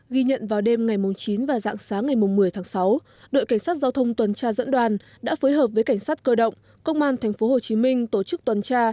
ghi nhận vào đêm ngày chín và dạng sáng ngày một mươi tháng sáu đội cảnh sát giao thông tuần tra dẫn đoàn đã phối hợp với cảnh sát cơ động công an tp hcm tổ chức tuần tra